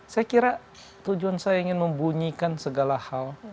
saya kira tujuan saya ingin membunyikan segala hal